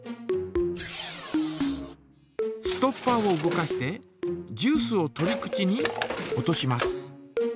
ストッパーを動かしてジュースを取り口に落とします。